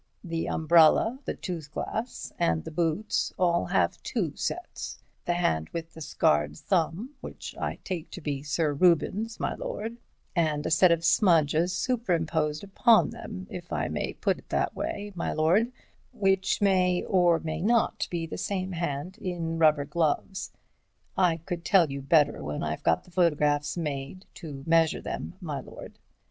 The umbrella, the toothglass and the boots all have two sets: the hand with the scarred thumb, which I take to be Sir Reuben's, my lord, and a set of smudges superimposed upon them, if I may put it that way, my lord, which may or may not be the same hand in rubber gloves. I could tell you better when I've got the photographs made, to measure them, my lord.